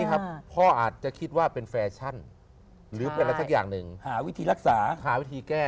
พ่ออาจจะคิดว่าเป็นแฟชั่นหรือเป็นอะไรสักอย่างหนึ่งหาวิธีรักษาหาวิธีแก้